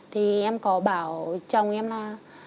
thì em có bảo chồng em là